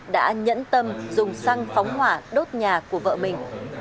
đã nhẫn tâm dùng xăng phóng hỏa đốt nhà của vợ mình